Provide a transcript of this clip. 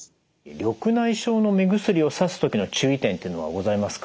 緑内障の目薬をさす時の注意点というのはございますか？